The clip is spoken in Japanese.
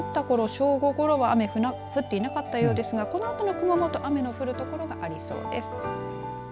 正午ごろは雨降っていなかったようですがこのあとの熊本雨が降る所がありそうです。